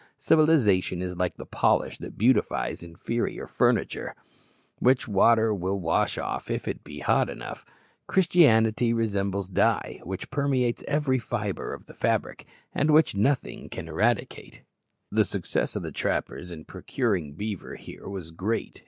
Civilization is like the polish that beautifies inferior furniture, which water will wash off if it be but hot enough. Christianity resembles dye, which permeates every fibre of the fabric, and which nothing can eradicate. The success of the trappers in procuring beaver here was great.